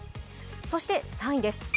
そして３位です。